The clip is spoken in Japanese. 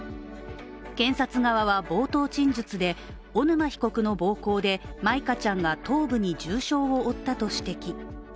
検察側は冒頭陳述で、小沼被告の暴行で舞香ちゃんが頭部に重傷を負ったと指摘。